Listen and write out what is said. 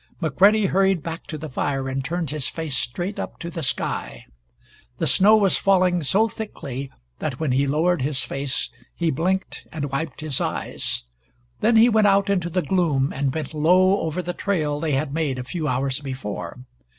McCready hurried back to the fire and turned his face straight up to the sky. The snow was falling so thickly that when he lowered his face he blinked and wiped his eyes. Then he went out into the gloom and bent low over the trail they had made a few hours before.